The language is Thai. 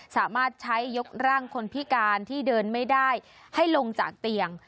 สามารถใช้ยกร่างคนพิการที่เดินไม่ได้ให้ลงจากเตียง